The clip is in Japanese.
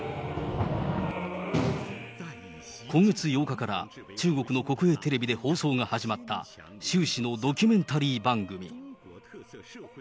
今月８日から中国の国営テレビで放送が始まった習氏のドキュメンタリー番組。